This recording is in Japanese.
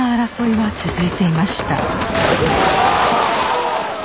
はい！